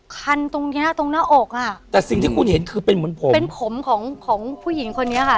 คันตรงเนี้ยตรงหน้าอกอ่ะแต่สิ่งที่คุณเห็นคือเป็นเหมือนผมเป็นผมของของผู้หญิงคนนี้ค่ะ